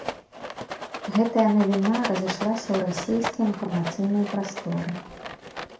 Гэтая навіна разышлася ў расейскай інфармацыйнай прасторы.